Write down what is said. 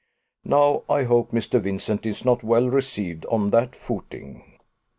Now, I hope Mr. Vincent is not well received on that footing.